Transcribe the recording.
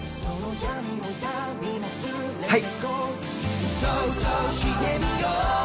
はい！